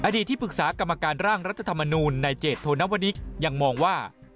ที่ปรึกษากรรมการร่างรัฐธรรมนูลในเจตโทนวนิกยังมองว่า